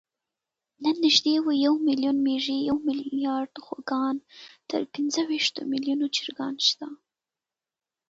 نن نږدې یو میلیون مېږې، یو میلیارد خوګان، تر پینځهویشتو میلیونو چرګان شته.